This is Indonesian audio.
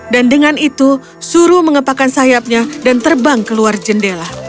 dan dengan itu suruh mengepakkan sayapnya dan terbang keluar jalan